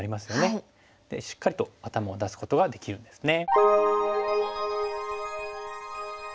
でしっかりと頭を出すことができるんですね。